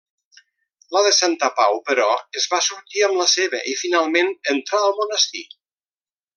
La de Santapau, però, es va sortir amb la seva i finalment entrà al monestir.